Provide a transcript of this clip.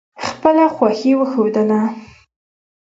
خپله خوښي وښودله.